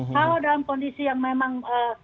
kalau dalam kondisi yang memang